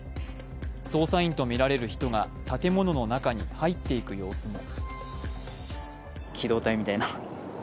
捜査員とみられる人が建物の中に入っていく様子も。